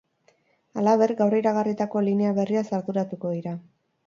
Halaber, gaur iragarritako linea berriaz arduratuko dira.